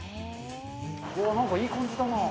なんかいい感じだなあ。